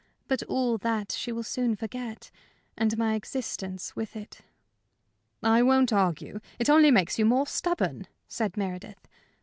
But all that she will soon forget and my existence with it." "I won't argue. It only makes you more stubborn," said Meredith.